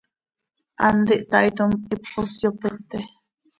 Hant ihtaaitom, hipos yopete.